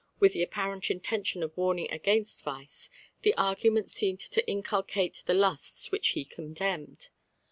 ] with the apparent intention of warning against vice, the argument seemed to inculcate the lusts which he condemned.